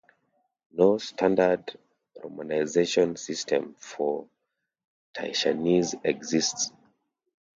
No standard romanization system for Taishanese exists.